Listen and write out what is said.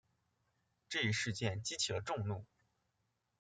这一事件激起了众怒。